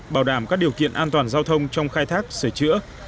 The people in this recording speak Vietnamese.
bảo đảm các điều kiện an toàn giao thông trong khai thác sửa chữa